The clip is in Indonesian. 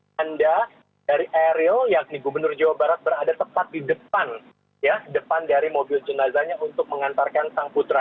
tanda dari eril yakni gubernur jawa barat berada tepat di depan ya depan dari mobil jenazahnya untuk mengantarkan sang putra